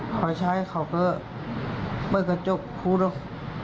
พอใช้เขาก็เปิดกระจกพูดว่า